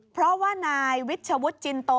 เพราะว่านายวิชวุฒิจินโต